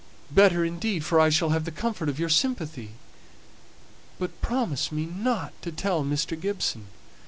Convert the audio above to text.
Better, indeed; for I shall have the comfort of your sympathy. But promise me not to tell Mr. Gibson."